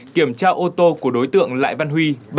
kiểm tra ô tô của đối tượng lại văn huy